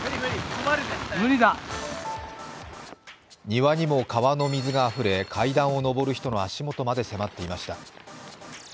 庭にも川の水があふれ、階段を上る人の足元まで迫っていました。